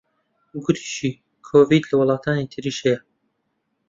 گوتیشی کۆڤید لە وڵاتانی تریش هەیە